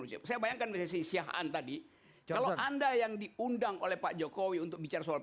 ucap saya bayangkan resisi si han tadi jalan anda yang diundang oleh pak jokowi untuk bicara soal